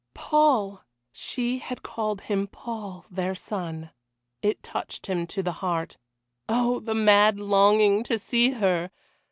Paul! She had called him Paul, their son. It touched him to the heart. Oh! the mad longing to see her!